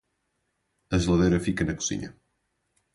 A geladeira fica na cozinha.